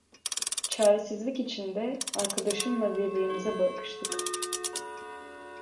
Çaresizlik içinde arkadaşımla birbirimize bakıştık.